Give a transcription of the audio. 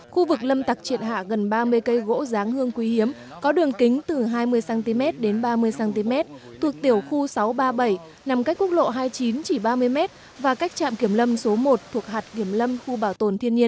khu vực lâm tặc triệt hạ gần ba mươi cây gỗ giáng hương quý hiếm có đường kính từ hai mươi cm đến ba mươi cm thuộc tiểu khu sáu trăm ba mươi bảy nằm cách quốc lộ hai mươi chín chỉ ba mươi m và cách trạm kiểm lâm số một thuộc hạt kiểm lâm khu bảo tồn thiên nhiên